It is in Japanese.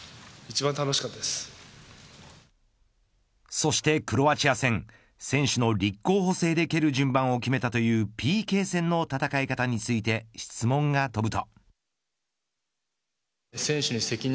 そしてクロアチア戦選手の立候補制で蹴る順番を決めたというＰＫ戦の戦い方について質問が飛ぶと。